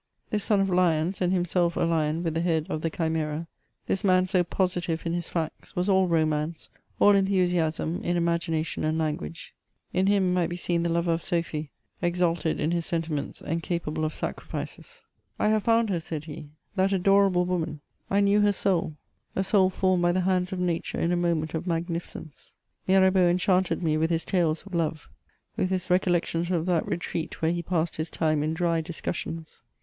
This son of lions, and himself a lion with the head of the Chimera — this man so positive in his facts, was all romance, all enthusiasm, in imagination and language : in him might be seen the lover of Sophie, exalted in his sentiments, and capable of sacrifices. ^ I have found her,'' said he, '^ that adorable woman ••.. I knew her soul — a soul formed by the hands of nature in a moment of magnificence.'' Mirabeau enchanted me with his tales of love, with his recol lections of that retreat where he passed his time in dry discus sions.